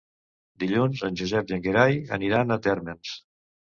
Dilluns en Josep i en Gerai aniran a Térmens.